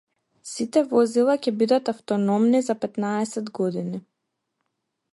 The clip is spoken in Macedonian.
Сите возила ќе бидат автономни за петнаесет години.